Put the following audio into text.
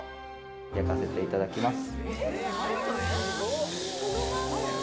焼かせていただきます。